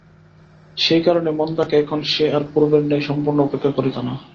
সেই কারণে মন্দাকে এখন সে আর পূর্বের ন্যায় সম্পূর্ণ উপেক্ষা করিত না।